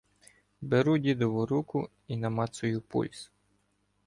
Беру дідову руку і намацую пульс.